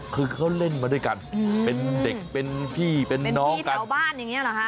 คือเขาเล่นมาด้วยกันเป็นเด็กเป็นพี่เป็นน้องแถวบ้านอย่างนี้เหรอฮะ